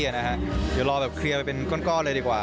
เดี๋ยวรอแบบเคลียร์ไปเป็นก้อนเลยดีกว่า